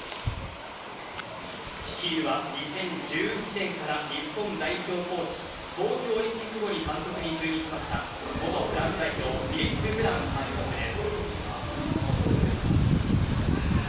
率いるは２０１７年から日本代表コーチ東京オリンピック後に監督に就任しました元フランス代表フィリップ・ブラン監督です。